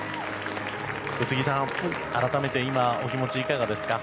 宇津木さん、改めて、今お気持ち、いかがですか？